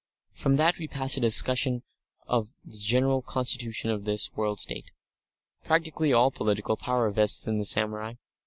From that we passed to the discussion of the general constitution of this World State. Practically all political power vests in the samurai.